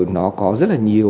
nó có rất là nhiều